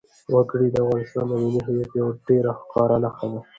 وګړي د افغانستان د ملي هویت یوه ډېره ښکاره نښه ده.